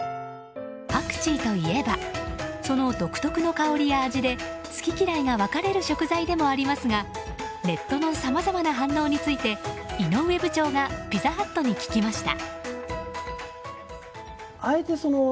パクチーといえばその独特の香りや味で好き嫌いが分かれる食材でもありますがネットのさまざまな反応について井上部長がピザハットに聞きました。